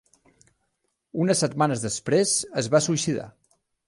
Unes setmanes després, es va suïcidar.